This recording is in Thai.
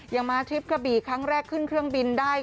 ยังมาทริปกระบี่ครั้งแรกขึ้นเครื่องบินได้